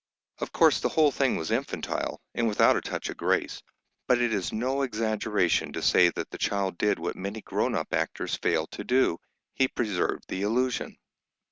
Of course the whole thing was infantile, and without a touch of grace; but it is no exaggeration to say that the child did what many grown up actors fail to do, he preserved the illusion.